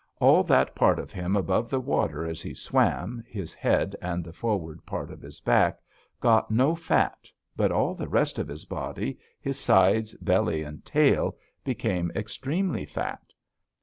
All that part of him above the water as he swam his head and the forward part of his back got no fat, but all the rest of his body his sides, belly, and tail became extremely fat.